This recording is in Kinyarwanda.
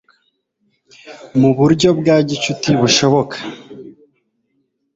mu buryo bwa gicuti bushoboka